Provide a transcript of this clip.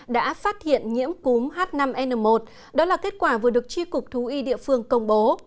đã phát hiện nhiễm cúm h năm n một đó là kết quả vừa được tri cục thú y địa phương công bố